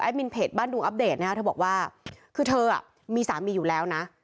มินเพจบ้านดุงอัปเดตนะฮะเธอบอกว่าคือเธอมีสามีอยู่แล้วนะ